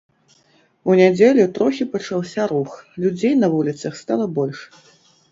У нядзелю трохі пачаўся рух, людзей на вуліцах стала больш.